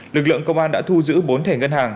lực lượng công an đã thu giữ bốn thẻ ngân hàng